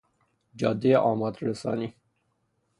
جادهی آماد رسانی